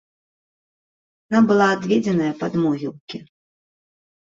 Яна была адведзеная пад могілкі.